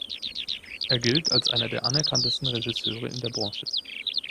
Er gilt als einer der anerkanntesten Regisseure in der Branche.